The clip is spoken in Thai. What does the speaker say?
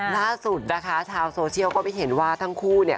ล่าสุดนะคะชาวโซเชียลก็ไปเห็นว่าทั้งคู่เนี่ย